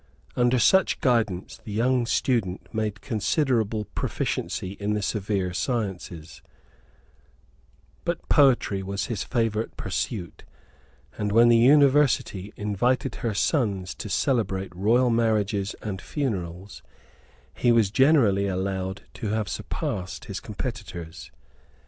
Under such guidance the young student made considerable proficiency in the severe sciences; but poetry was his favourite pursuit; and when the University invited her sons to celebrate royal marriages and funerals, he was generally allowed to have surpassed his competitors.